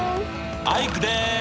アイクです！